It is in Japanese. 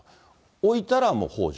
置いたらもうほう助。